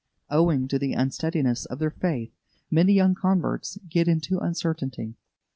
Owing to the unsteadiness of their faith, many young converts get into uncertainty.